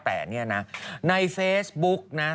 แต่ในเฟซบุ๊ก